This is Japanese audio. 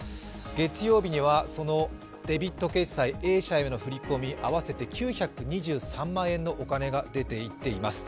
月曜日にはそのデビット決済、Ａ社への振り込み、合わせて９２３万円のお金が出ていっています。